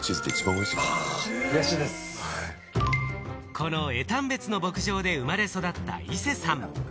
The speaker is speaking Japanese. この江丹別の牧場で生まれ育った伊勢さん。